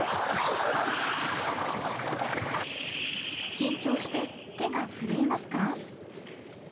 緊張して手が震えますか？